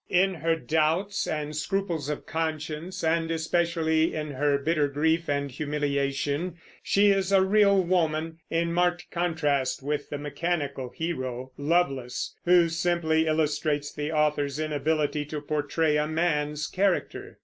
In her doubts and scruples of conscience, and especially in her bitter grief and humiliation, she is a real woman, in marked contrast with the mechanical hero, Lovelace, who simply illustrates the author's inability to portray a man's character.